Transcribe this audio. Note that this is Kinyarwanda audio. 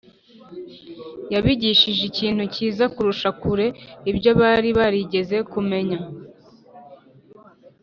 yabigishije ikintu cyiza kurusha kure ibyo bari barigeze kumenya